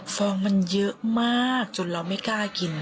ฟองมันเยอะมากจนเราไม่กล้ากิน